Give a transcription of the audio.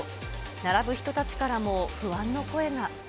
並ぶ人たちからも不安の声が。